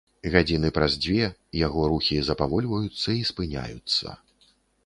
Гадзіны праз дзве яго рухі запавольваюцца і спыняюцца.